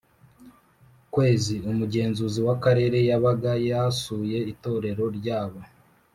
Kwezi umugenzuzi w akarere yabaga yasuye itorero ryabo